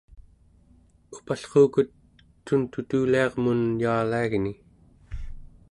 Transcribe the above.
upallruukut tuntutuliarmun yaaliagni